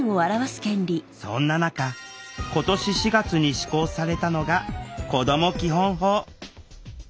そんな中今年４月に施行されたのが「こども基本法」。